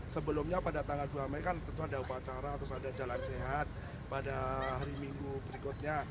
sebelumnya pada tanggal dua mei kan tentu ada upacara terus ada jalan sehat pada hari minggu berikutnya